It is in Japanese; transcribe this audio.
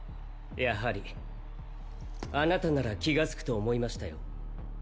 やはりあなたなら気がつくと思いましたよ